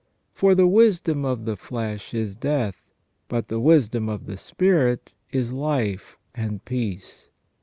For the wisdom of the flesh is death : but the wisdom of the spirit is life and peace.